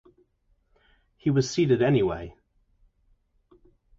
He was seated anyway.